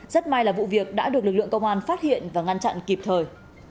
rất may là vụ việc đã được lực lượng công an phát hiện và ngăn chặn kịp thời